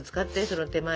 その手前。